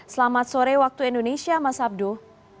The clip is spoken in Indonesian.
selamat sore waktu indonesia mas abduh